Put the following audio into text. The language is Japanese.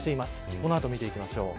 この後、見ていきましょう。